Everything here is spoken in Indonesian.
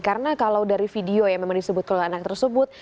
karena kalau dari video yang memang disebut keluarga anak tersebut